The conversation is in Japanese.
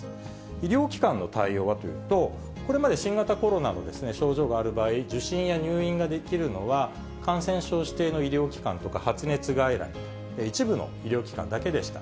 医療機関の対応はというと、これまで新型コロナの症状がある場合、受診や入院ができるのは、感染症指定の医療機関とか、発熱外来、一部の医療機関だけでした。